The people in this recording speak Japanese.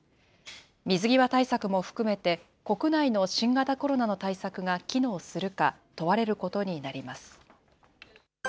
水際対策も含めて、国内の新型コロナの対策が機能するか、問われることになります。